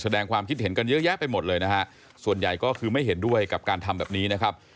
แสดงความคิดเห็นกันเยอะแยะไปหมดเลยนะฮะส่วนใหญ่ก็คือไม่เห็นด้วยกับการทำแบบนี้นะครับ